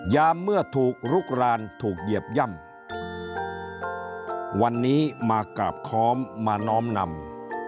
ยามเมื่อถูกลุกรานถูกเหยียบย่ำวันนี้มากราบค้อมมาน้อมนำ